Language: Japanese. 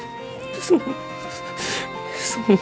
そそんな。